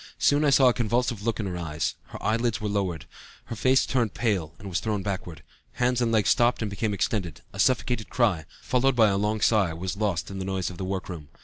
Soon I saw a convulsive look in her eyes, her eyelids were lowered, her face turned pale and was thrown backward; hands and legs stopped and became extended; a suffocated cry, followed by a long sigh, was lost in the noise of the workroom.